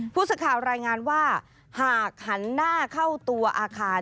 ผู้สื่อข่าวรายงานว่าหากหันหน้าเข้าตัวอาคาร